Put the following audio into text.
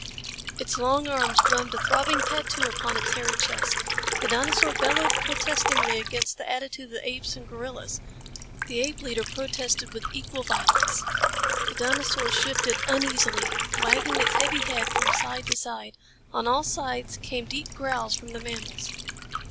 Its long arms drummed a throbbing tattoo upon its hairy chest. The dinosaur bellowed protestingly against the attitude of the apes and gorillas. The ape leader protested with equal violence. The dinosaur shifted uneasily, wagging its heavy head from side to side. On all sides came deep growls from the mammals.